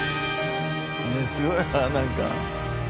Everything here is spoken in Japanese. すごいななんか。